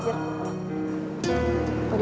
udah ya gue dulu ya